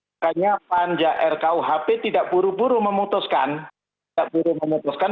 makanya panja rkuhp tidak buru buru memutuskan